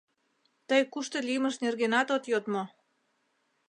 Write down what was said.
— Тый кушто лиймыж нергенат от йод мо?